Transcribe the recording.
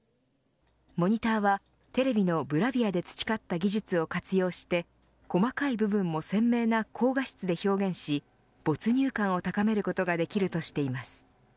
モニターはテレビのブラビアで培った技術を活用して細かい部分も鮮明な高画質で表現し没入感を高めることができるとしています。